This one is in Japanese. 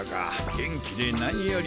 元気でなにより。